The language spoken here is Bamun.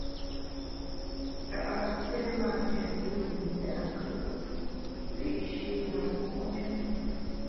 Nchare pe mâ njètne i yi ntèt nkùt wiyi’shi ne nku’njù.